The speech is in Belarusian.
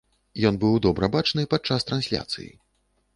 Ён быў добра бачны падчас трансляцыі.